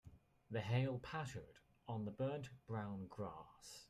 The hail pattered on the burnt brown grass.